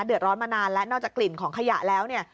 เดือดร้อนมานานและนอกจากกลิ่นของขยะแล้วเนี่ย